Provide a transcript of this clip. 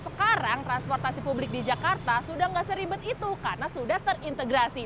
sekarang transportasi publik di jakarta sudah tidak seribet itu karena sudah terintegrasi